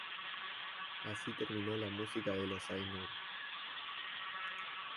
Así terminó la Música de los Ainur.